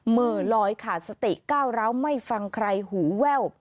มือลอยขาดสติก้าวร้าวไม่ฟังใครหูแว่ว